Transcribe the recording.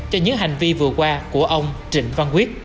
cho những hành vi vừa qua của ông trịnh văn quyết